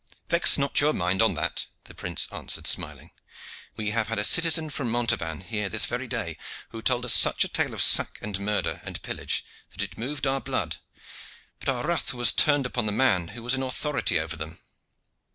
"Vex not your mind on that," the prince answered, smiling. "We have had a citizen from Montauban here this very day, who told us such a tale of sack and murder and pillage that it moved our blood; but our wrath was turned upon the man who was in authority over them."